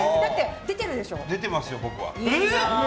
出てますよ、僕は。